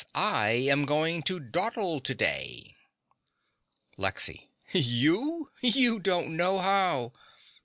I am going to dawdle to day. LEXY. You! You don't know how.